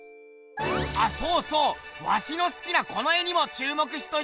あそうそうワシのすきなこの絵にも注目しといてくれ。